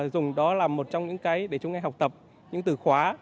dùng đó là một trong những cái để chúng em học tập những từ khóa